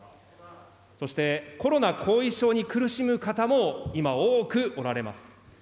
そしてコロナ後遺症に苦しむ方も今、多くおられます。